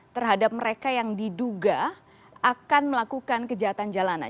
terhadap mereka yang diduga akan melakukan kejahatan jalanan